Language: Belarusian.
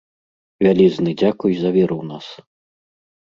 Вялізны дзякуй за веру ў нас.